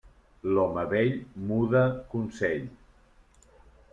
L'home vell muda consell.